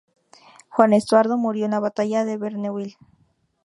Juan Estuardo murió en la batalla de Verneuil.